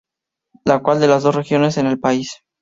La cual es una de las dos regiones en el país.